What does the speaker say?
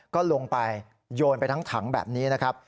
ก็ลงไปโยนไปทั้งถังแบบนี้นะครับ